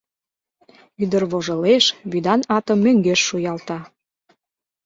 Ӱдыр вожылеш, вӱдан атым мӧҥгеш шуялта.